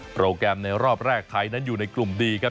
โปรแกรมในรอบแรกไทยนั้นอยู่ในกลุ่มดีครับ